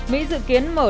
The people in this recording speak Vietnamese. mỹ dự kiến mở đại sứ quán